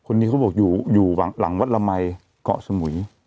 เขาบอกอยู่หลังวัดละมัยเกาะสมุย